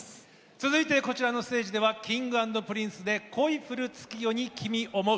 続いてこちらのステージではＫｉｎｇ＆Ｐｒｉｎｃｅで「恋降る月夜に君想ふ」。